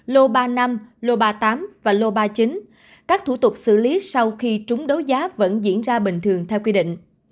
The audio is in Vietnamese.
lô ba năm lô ba mươi tám và lô ba mươi chín các thủ tục xử lý sau khi trúng đấu giá vẫn diễn ra bình thường theo quy định